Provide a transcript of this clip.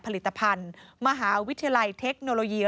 ผลิตภัณฑ์มหาวิทยาลัยเทคโนโลยี